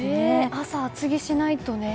朝、厚着しないとね。